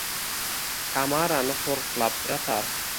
Tamarani qo’riqlab yotar.